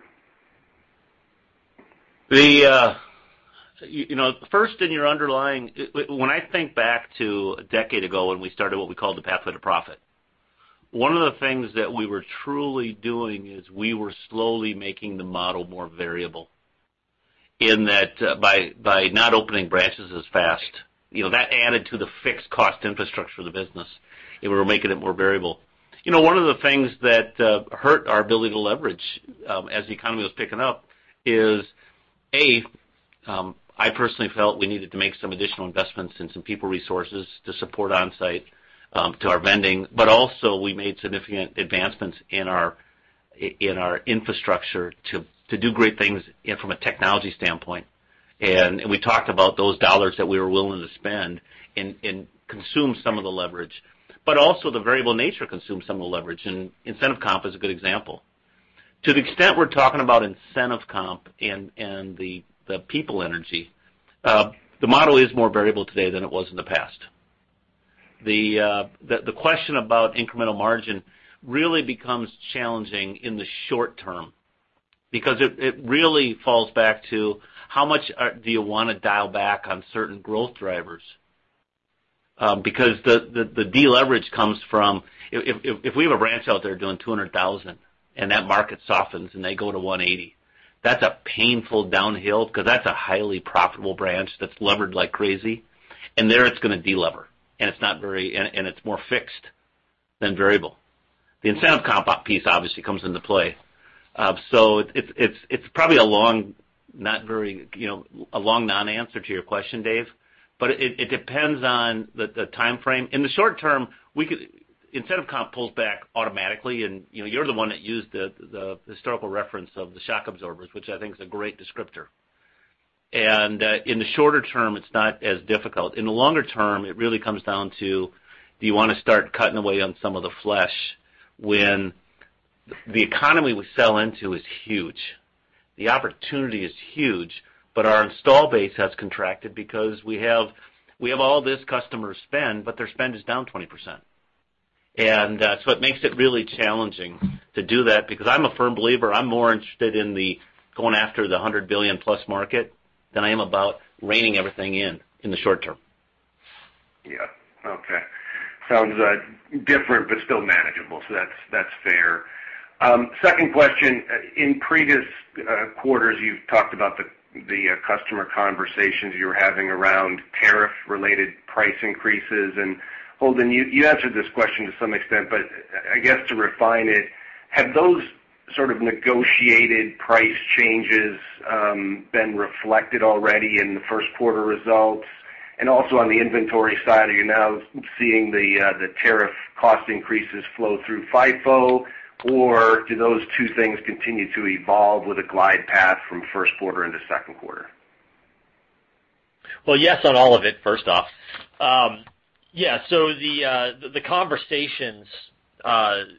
First, in your underlying. When I think back to a decade ago, when we started what we called the Pathway to Profit, one of the things that we were truly doing is we were slowly making the model more variable, in that by not opening branches as fast, that added to the fixed cost infrastructure of the business, and we were making it more variable. One of the things that hurt our ability to leverage as the economy was picking up is, A, I personally felt we needed to make some additional investments in some people resources to support Onsite to our vending. Also, we made significant advancements in our infrastructure to do great things from a technology standpoint. We talked about those dollars that we were willing to spend and consume some of the leverage. Also, the variable nature consumed some of the leverage. Incentive comp is a good example. To the extent we're talking about incentive comp and the people energy, the model is more variable today than it was in the past. The question about incremental margin really becomes challenging in the short term, because it really falls back to how much do you want to dial back on certain growth drivers? Because the deleverage comes from, if we have a branch out there doing 200,000 and that market softens and they go to 180, that's a painful downhill because that's a highly profitable branch that's levered like crazy. There it's going to de-lever, and it's more fixed than variable. The incentive comp piece obviously comes into play. It's probably a long non-answer to your question, Dave. It depends on the timeframe. In the short term, incentive comp pulls back automatically. You're the one that used the historical reference of the shock absorbers, which I think is a great descriptor. In the shorter term, it's not as difficult. In the longer term, it really comes down to, do you want to start cutting away on some of the flesh when the economy we sell into is huge, the opportunity is huge. Our install base has contracted because we have all this customer spend. Their spend is down 20%. It makes it really challenging to do that, because I'm a firm believer, I'm more interested in the going after the $100 billion plus market than I am about reining everything in the short term.
Yeah. Okay. Sounds different. Still manageable. That's fair. Second question. In previous quarters, you've talked about the customer conversations you were having around tariff related price increases. Holden, you answered this question to some extent. I guess to refine it, have those sort of negotiated price changes been reflected already in the first quarter results? Also on the inventory side, are you now seeing the tariff cost increases flow through FIFO? Do those two things continue to evolve with a glide path from first quarter into second quarter?
Yes, on all of it, first off. The conversations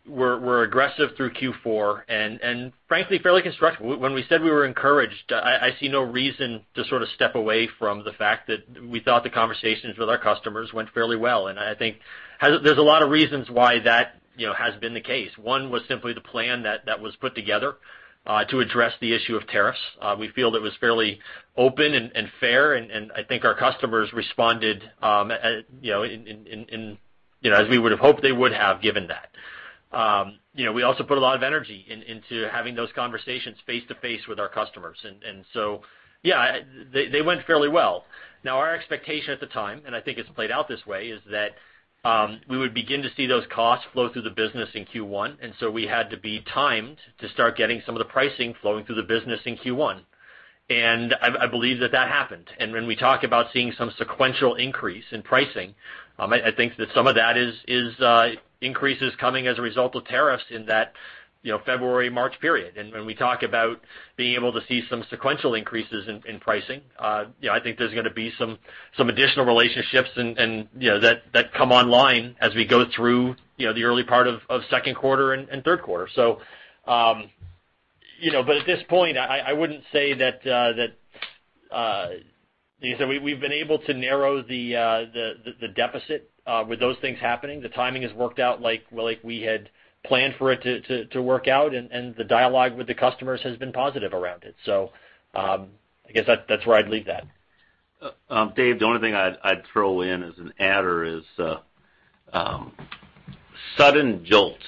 were aggressive through Q4 and frankly, fairly constructive. When we said we were encouraged, I see no reason to sort of step away from the fact that we thought the conversations with our customers went fairly well. I think there's a lot of reasons why that has been the case. One was simply the plan that was put together to address the issue of tariffs. We feel it was fairly open and fair, and I think our customers responded as we would have hoped they would have given that. We also put a lot of energy into having those conversations face-to-face with our customers. They went fairly well. Our expectation at the time, and I think it's played out this way, is that we would begin to see those costs flow through the business in Q1, we had to be timed to start getting some of the pricing flowing through the business in Q1. I believe that that happened. When we talk about seeing some sequential increase in pricing, I think that some of that is increases coming as a result of tariffs in that February, March period. When we talk about being able to see some sequential increases in pricing, I think there's going to be some additional relationships that come online as we go through the early part of second quarter and third quarter. At this point, I wouldn't say that we've been able to narrow the deficit with those things happening. The timing has worked out like we had planned for it to work out, and the dialogue with the customers has been positive around it. I guess that's where I'd leave that.
Dave, the only thing I'd throw in as an adder is, sudden jolts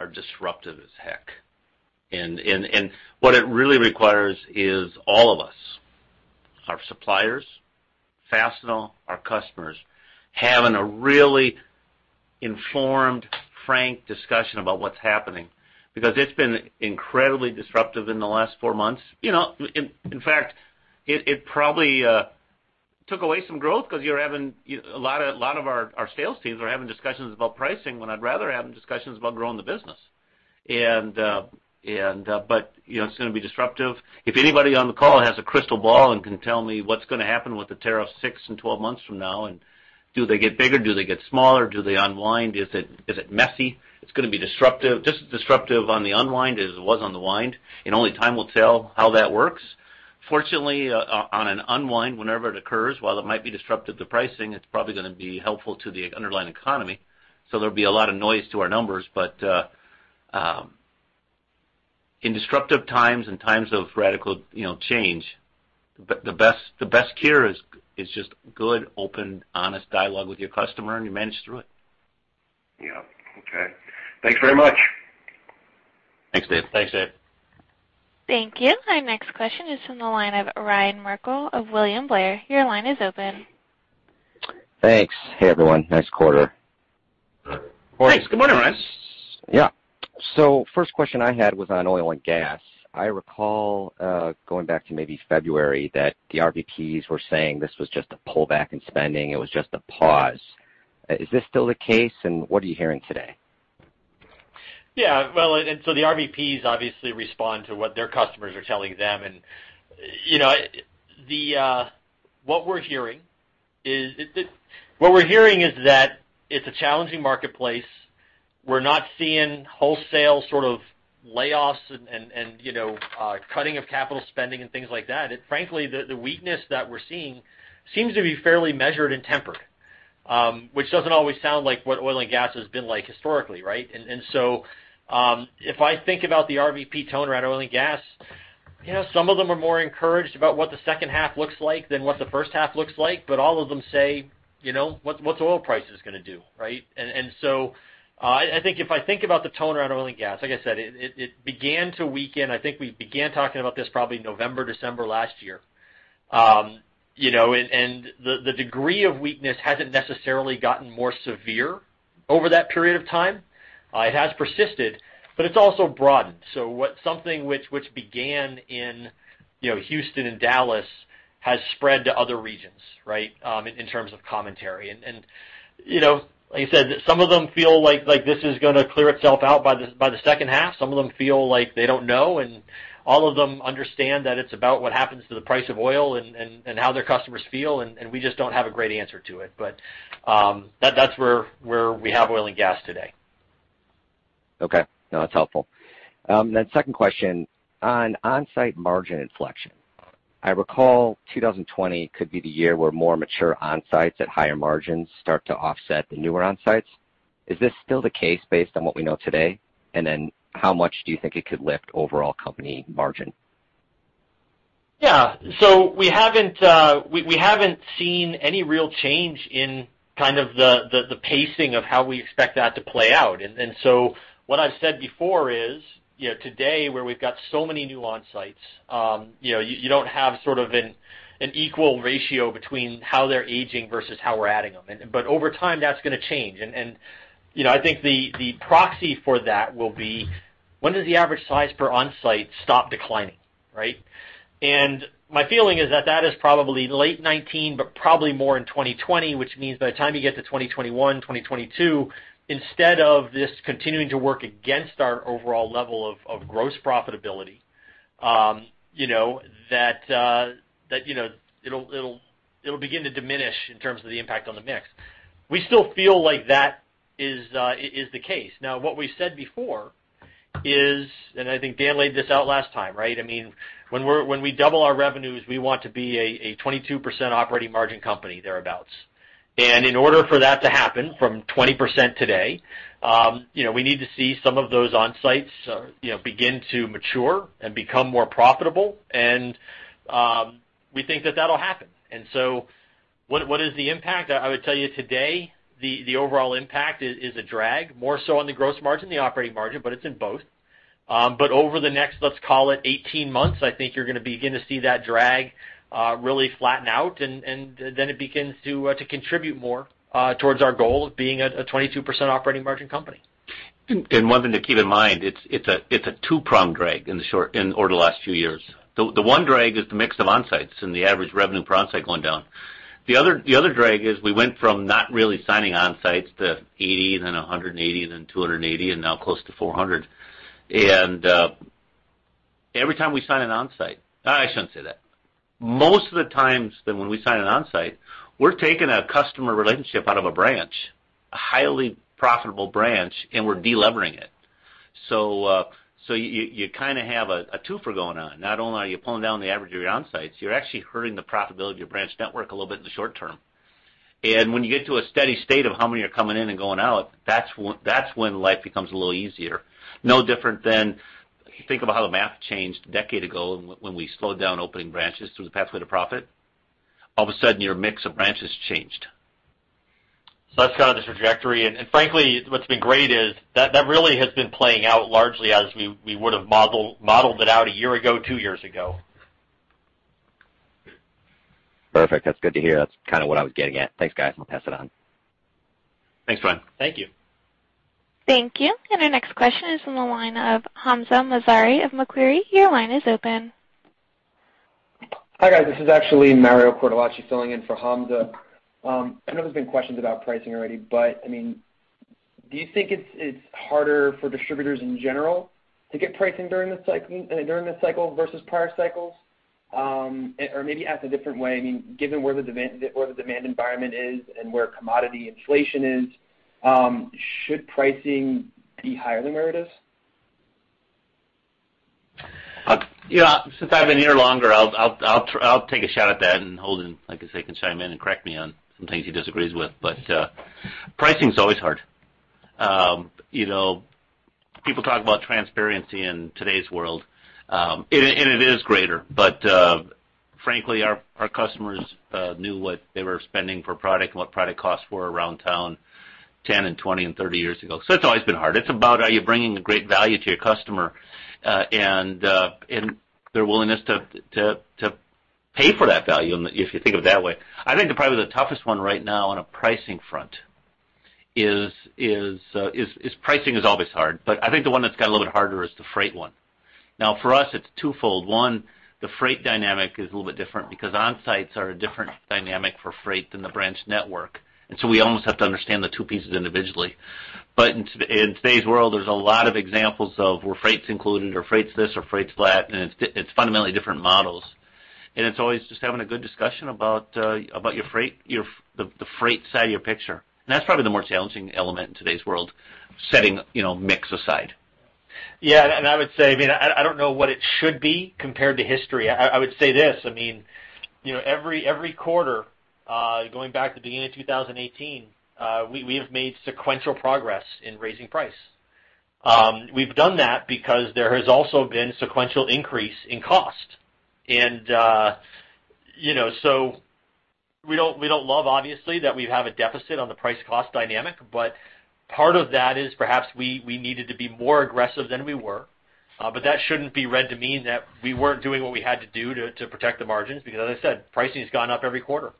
are disruptive as heck. What it really requires is all of us, our suppliers, Fastenal, our customers, having a really informed, frank discussion about what's happening, because it's been incredibly disruptive in the last 4 months. In fact, it probably took away some growth because a lot of our sales teams are having discussions about pricing when I'd rather having discussions about growing the business. It's going to be disruptive. If anybody on the call has a crystal ball and can tell me what's going to happen with the tariff 6 and 12 months from now, and do they get bigger, do they get smaller, do they unwind? Is it messy? It's going to be disruptive, just disruptive on the unwind as it was on the wind. Only time will tell how that works. Fortunately, on an unwind, whenever it occurs, while it might be disruptive to pricing, it's probably going to be helpful to the underlying economy. There'll be a lot of noise to our numbers. In disruptive times and times of radical change, the best cure is just good, open, honest dialogue with your customer, and you manage through it.
Yeah. Okay. Thanks very much.
Thanks, Dave.
Thanks, Dave.
Thank you. Our next question is from the line of Ryan Merkel of William Blair. Your line is open.
Thanks. Hey, everyone. Nice quarter.
Thanks. Good morning, Ryan.
Yeah. First question I had was on oil and gas. I recall, going back to maybe February, that the RVPs were saying this was just a pullback in spending. It was just a pause. Is this still the case, and what are you hearing today?
Yeah. Well, the RVPs obviously respond to what their customers are telling them, and what we're hearing is that it's a challenging marketplace. We're not seeing wholesale sort of layoffs and cutting of capital spending and things like that. Frankly, the weakness that we're seeing seems to be fairly measured and tempered, which doesn't always sound like what oil and gas has been like historically, right? If I think about the RVP tone around oil and gas, some of them are more encouraged about what the second half looks like than what the first half looks like. All of them say, "What's oil prices going to do?" Right? I think if I think about the tone around oil and gas, like I said, it began to weaken. I think we began talking about this probably November, December last year. The degree of weakness hasn't necessarily gotten more severe over that period of time. It has persisted, but it's also broadened. Something which began in Houston and Dallas has spread to other regions, right, in terms of commentary. Like I said, some of them feel like this is going to clear itself out by the second half. Some of them feel like they don't know, and all of them understand that it's about what happens to the price of oil and how their customers feel, and we just don't have a great answer to it. That's where we have oil and gas today.
Okay. No, that's helpful. Second question, on Onsite margin inflection. I recall 2020 could be the year where more mature Onsites at higher margins start to offset the newer Onsites. Is this still the case based on what we know today? How much do you think it could lift overall company margin?
Yeah. We haven't seen any real change in kind of the pacing of how we expect that to play out. What I've said before is, today where we have got so many new Onsites, you don't have sort of an equal ratio between how they are aging versus how we are adding them. Over time, that's going to change. I think the proxy for that will be when does the average size per Onsite stop declining, right? My feeling is that is probably late 2019, but probably more in 2020, which means by the time you get to 2021, 2022, instead of this continuing to work against our overall level of gross profitability, it will begin to diminish in terms of the impact on the mix. We still feel like that is the case. What we said before is, I think Dan laid this out last time, right? When we double our revenues, we want to be a 22% operating margin company thereabouts. In order for that to happen from 20% today, we need to see some of those Onsites begin to mature and become more profitable. We think that'll happen. What is the impact? I would tell you today, the overall impact is a drag, more so on the gross margin than the operating margin, but it's in both. Over the next, let's call it 18 months, I think you're going to begin to see that drag really flatten out, then it begins to contribute more towards our goal of being a 22% operating margin company.
One thing to keep in mind, it's a two-pronged drag over the last few years. The one drag is the mix of Onsites and the average revenue per Onsite going down. The other drag is we went from not really signing Onsites to 80, then 180, then 280, and now close to 400. Every time we sign an Onsite. I shouldn't say that. Most of the times that when we sign an Onsite, we're taking a customer relationship out of a branch, a highly profitable branch, and we're de-levering it. You kind of have a twofer going on. Not only are you pulling down the average of your Onsites, you're actually hurting the profitability of your branch network a little bit in the short term. When you get to a steady state of how many are coming in and going out, that's when life becomes a little easier. No different than if you think about how the math changed a decade ago when we slowed down opening branches through the pathway to profit. All of a sudden, your mix of branches changed.
That's kind of the trajectory. Frankly, what's been great is that really has been playing out largely as we would've modeled it out a year ago, two years ago.
Perfect. That's good to hear. That's kind of what I was getting at. Thanks, guys. I'll pass it on.
Thanks, Ryan.
Thank you.
Thank you. Our next question is from the line of Hamza Mazari of Macquarie. Your line is open.
Hi, guys. This is actually Mario Cortellacci filling in for Hamza. I know there's been questions about pricing already, do you think it's harder for distributors in general to get pricing during this cycle versus prior cycles? Maybe asked a different way, given where the demand environment is and where commodity inflation is, should pricing be higher than narratives?
Since I've been here longer, I'll take a shot at that and Holden, I guess, can chime in and correct me on some things he disagrees with. Pricing is always hard. People talk about transparency in today's world, and it is greater. Frankly, our customers knew what they were spending per product and what product costs were around town 10 and 20 and 30 years ago. It's always been hard. It's about are you bringing great value to your customer, and their willingness to pay for that value, if you think of it that way. I think that probably the toughest one right now on a pricing front is. Pricing is always hard, but I think the one that's got a little bit harder is the freight one. Now, for us, it's twofold. One, the freight dynamic is a little bit different because Onsites are a different dynamic for freight than the branch network, and so we almost have to understand the two pieces individually. In today's world, there's a lot of examples of where freight's included or freight's this or freight's that, and it's fundamentally different models. It's always just having a good discussion about the freight side of your picture. That's probably the more challenging element in today's world, setting mix aside.
Yeah. I would say, I don't know what it should be compared to history. I would say this. Every quarter, going back to the beginning of 2018, we have made sequential progress in raising price. We've done that because there has also been sequential increase in cost. We don't love, obviously, that we have a deficit on the price-cost dynamic, but part of that is perhaps we needed to be more aggressive than we were. That shouldn't be read to mean that we weren't doing what we had to do to protect the margins because, as I said, pricing has gone up every quarter.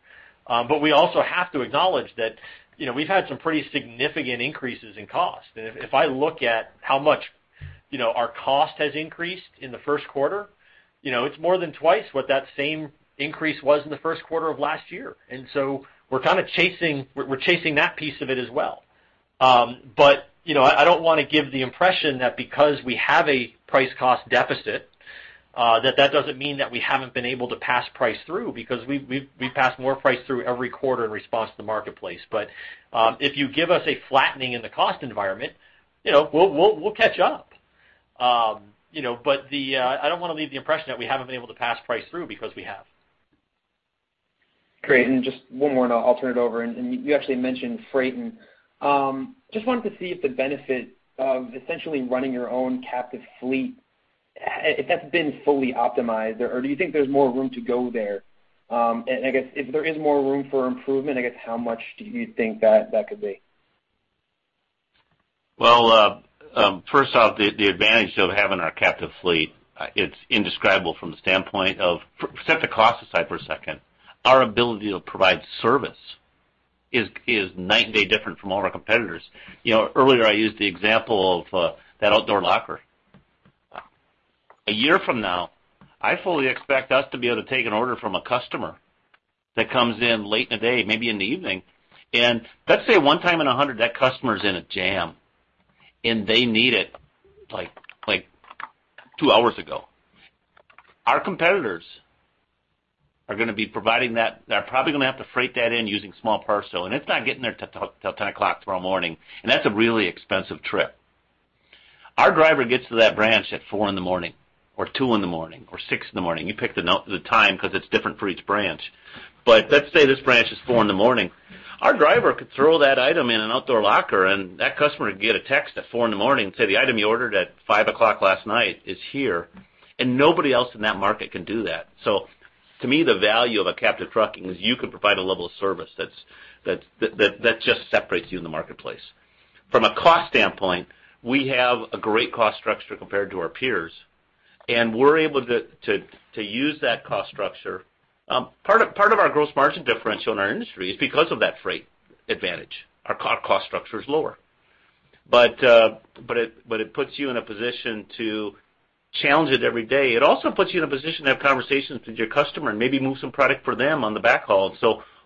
We also have to acknowledge that we've had some pretty significant increases in cost. If I look at how much our cost has increased in the first quarter, it's more than twice what that same increase was in the first quarter of last year. We're kind of chasing that piece of it as well. I don't want to give the impression that because we have a price-cost deficit, that that doesn't mean that we haven't been able to pass price through, because we pass more price through every quarter in response to the marketplace. If you give us a flattening in the cost environment, we'll catch up. I don't want to leave the impression that we haven't been able to pass price through because we have.
Great. Just one more and I'll turn it over. You actually mentioned freight. Just wanted to see if the benefit of essentially running your own captive fleet, if that's been fully optimized, or do you think there's more room to go there? I guess if there is more room for improvement, I guess how much do you think that could be?
Well, first off, the advantage of having our captive fleet, it's indescribable from the standpoint of. Set the cost aside for a second. Our ability to provide service is night and day different from all our competitors. Earlier I used the example of that outdoor locker. A year from now, I fully expect us to be able to take an order from a customer that comes in late in the day, maybe in the evening, and let's say one time in 100, that customer's in a jam, and they need it like two hours ago. Our competitors are going to be providing that. They're probably going to have to freight that in using small parcel, and it's not getting there till 10:00 A.M. tomorrow morning, and that's a really expensive trip. Our driver gets to that branch at 4:00 A.M. or 2:00 A.M. or 6:00 A.M. You pick the time because it's different for each branch. Let's say this branch is 4:00 A.M. Our driver could throw that item in an outdoor locker, and that customer would get a text at 4:00 A.M. saying, "The item you ordered at 5:00 P.M. last night is here." Nobody else in that market can do that. To me, the value of a captive trucking is you can provide a level of service that just separates you in the marketplace. From a cost standpoint, we have a great cost structure compared to our peers, and we're able to use that cost structure. Part of our gross margin differential in our industry is because of that freight advantage. Our cost structure is lower. It puts you in a position to challenge it every day. It also puts you in a position to have conversations with your customer and maybe move some product for them on the back haul.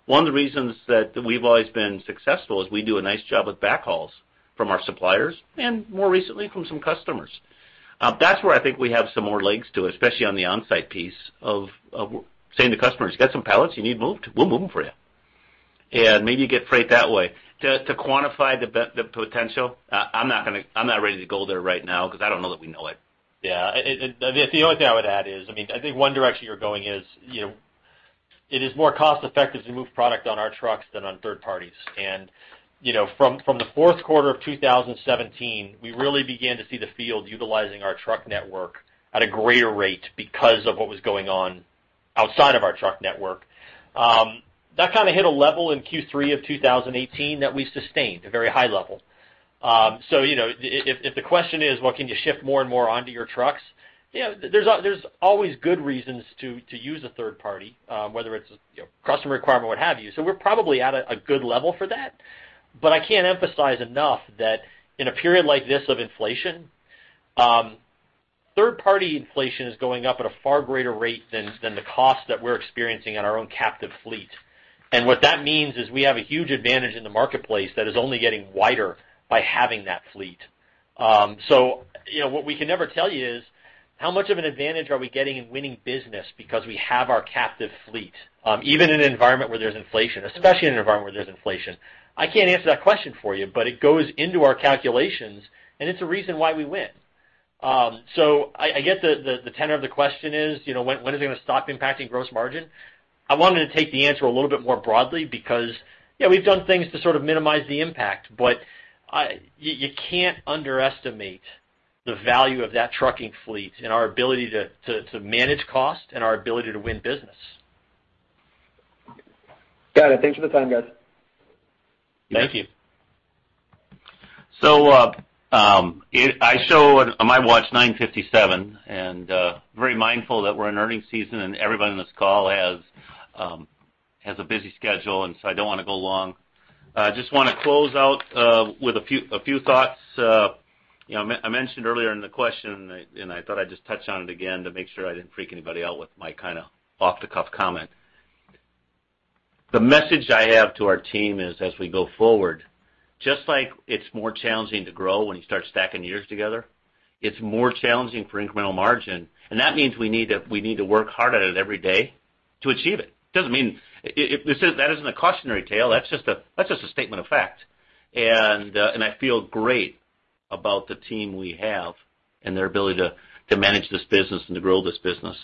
One of the reasons that we've always been successful is we do a nice job with backhauls from our suppliers, and more recently from some customers. That's where I think we have some more legs to, especially on the onsite piece of saying to customers, "You got some pallets you need moved? We'll move them for you." Maybe you get freight that way. To quantify the potential, I'm not ready to go there right now because I don't know that we know it.
The only thing I would add is, I think one direction you're going is it is more cost-effective to move product on our trucks than on third parties. From the fourth quarter of 2017, we really began to see the field utilizing our truck network at a greater rate because of what was going on outside of our truck network. That kind of hit a level in Q3 of 2018 that we sustained, a very high level. If the question is, well, can you shift more and more onto your trucks? There's always good reasons to use a third party, whether it's customer requirement, what have you. We're probably at a good level for that. I can't emphasize enough that in a period like this of inflation, third-party inflation is going up at a far greater rate than the cost that we're experiencing on our own captive fleet. What that means is we have a huge advantage in the marketplace that is only getting wider by having that fleet. What we can never tell you is how much of an advantage are we getting in winning business because we have our captive fleet even in an environment where there's inflation, especially in an environment where there's inflation. I can't answer that question for you, but it goes into our calculations, and it's a reason why we win. I guess the tenor of the question is, when are they going to stop impacting gross margin? I wanted to take the answer a little bit more broadly because, yeah, we've done things to sort of minimize the impact, but you can't underestimate the value of that trucking fleet and our ability to manage cost and our ability to win business.
Got it. Thanks for the time, guys.
Thank you.
I show on my watch 9:57 A.M., very mindful that we're in earnings season, everyone on this call has a busy schedule, I don't want to go long. I just want to close out with a few thoughts. I mentioned earlier in the question, I thought I'd just touch on it again to make sure I didn't freak anybody out with my kind of off-the-cuff comment. The message I have to our team is as we go forward, just like it's more challenging to grow when you start stacking years together, it's more challenging for incremental margin, that means we need to work harder at it every day to achieve it. That isn't a cautionary tale. That's just a statement of fact. I feel great about the team we have and their ability to manage this business and to grow this business.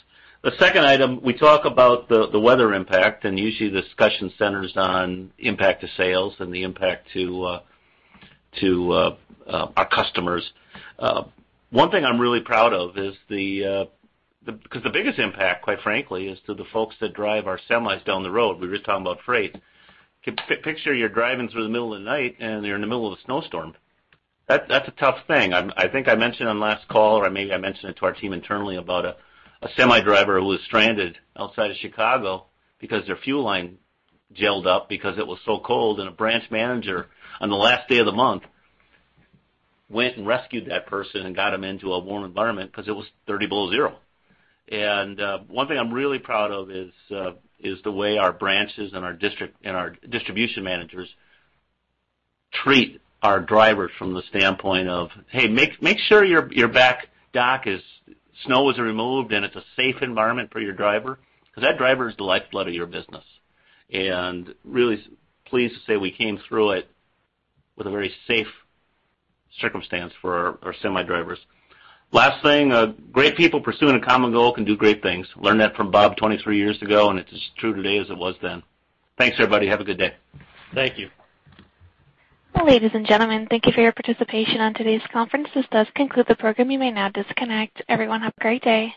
The second item, we talk about the weather impact, and usually the discussion centers on impact to sales and the impact to our customers. One thing I'm really proud of is because the biggest impact, quite frankly, is to the folks that drive our semis down the road. We were just talking about freight. Picture you're driving through the middle of the night, and you're in the middle of a snowstorm. That's a tough thing. I think I mentioned on last call, or maybe I mentioned it to our team internally about a semi driver who was stranded outside of Chicago because their fuel line gelled up because it was so cold, and a branch manager on the last day of the month went and rescued that person and got him into a warm environment because it was 30 below zero. One thing I'm really proud of is the way our branches and our distribution managers treat our drivers from the standpoint of, hey, make sure your back dock is, snow is removed, and it's a safe environment for your driver because that driver is the lifeblood of your business. Really pleased to say we came through it with a very safe circumstance for our semi drivers. Last thing, great people pursuing a common goal can do great things. Learned that from Bob 23 years ago, it's as true today as it was then. Thanks, everybody. Have a good day.
Thank you.
Ladies and gentlemen, thank you for your participation on today's conference. This does conclude the program. You may now disconnect. Everyone, have a great day.